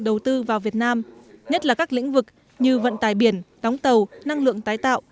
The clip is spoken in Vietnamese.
đầu tư vào việt nam nhất là các lĩnh vực như vận tài biển đóng tàu năng lượng tái tạo